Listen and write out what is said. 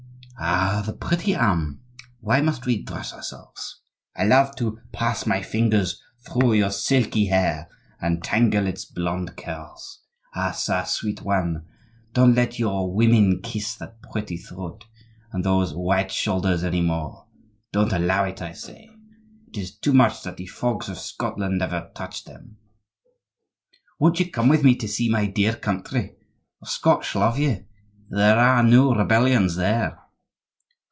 '" "Oh! the pretty arm! Why must we dress ourselves? I love to pass my fingers through your silky hair and tangle its blond curls. Ah ca! sweet one, don't let your women kiss that pretty throat and those white shoulders any more; don't allow it, I say. It is too much that the fogs of Scotland ever touched them!" "Won't you come with me to see my dear country? The Scotch love you; there are no rebellions there!"